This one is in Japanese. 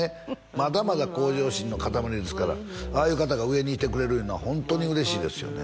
まだまだ向上心の塊ですからああいう方が上にいてくれるいうのはホントに嬉しいですよね